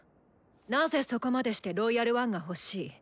なぜそこまでして「ロイヤル・ワン」が欲しい？